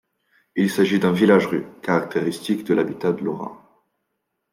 Il s'agit d'un village-rue, caractéristique de l'habitat lorrain.